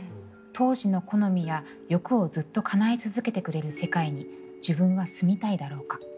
当時の好みや欲をずっと叶え続けてくれる世界に自分は住みたいだろうか。